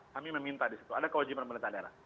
kami meminta di situ ada kewajiban pemerintah daerah